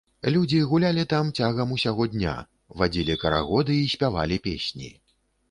Людзі гулялі там цягам усяго дня, вадзілі карагоды і спявалі песні.